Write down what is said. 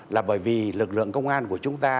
là bởi vì lực lượng công an của chúng ta